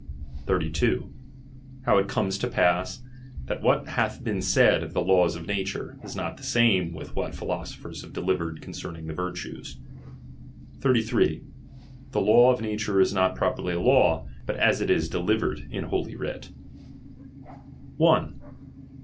{^2. How it comes to pas , that uhat hath been said of the laws of nature, is not the name with what ^^^ philosophers have delivered concerning the virtues 33. The ^^^kbv of nature is not properly a law, but as it is delivered in ^■lloly Writ. ^^^.